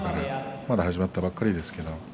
まだ始まったばかりですけど。